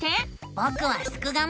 ぼくはすくがミ！